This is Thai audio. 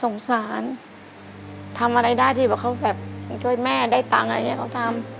สงสารทำอะไรได้ที่ว่าเขาแบบช่วยแม่ได้ตังค์อะไรอย่างนี้เขาทำ